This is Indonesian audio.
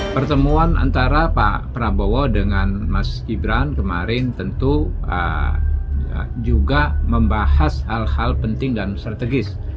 pertemuan kemarin tentu juga membahas hal hal penting dan strategis